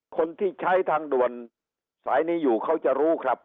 คนที่ใช้ทางด่วนสายนี้อยู่เขาจะรู้ครับ